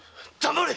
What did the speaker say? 黙れ！